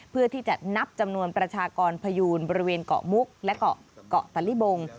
เพื่อที่จะนับจำนวนประชากรพยูนบริเวณเกาะมุกและเกาะเกาะตะลิบง